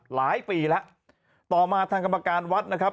หลายปีแล้วต่อมาทางกรรมการวัดนะครับ